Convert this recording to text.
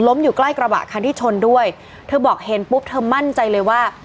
อยู่ใกล้กระบะคันที่ชนด้วยเธอบอกเห็นปุ๊บเธอมั่นใจเลยว่า